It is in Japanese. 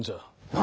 何！？